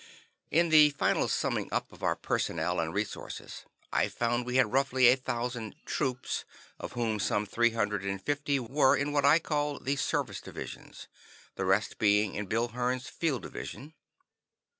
In the final summing up of our personnel and resources, I found we had roughly a thousand "troops," of whom some three hundred and fifty were, in what I called the Service Divisions, the rest being in Bill Hearn's Field Division.